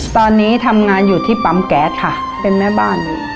ตอนนี้ทำงานอยู่ที่ปั๊มแก๊สค่ะเป็นแม่บ้าน